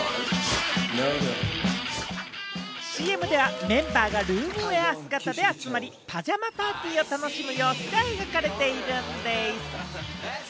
ＣＭではメンバーがルームウェア姿で集まり、パジャマパーティーを楽しむ様子が描かれているんでぃす。